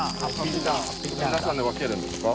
皆さんで分けるんですか？